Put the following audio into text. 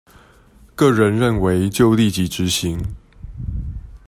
個人認為就立即執行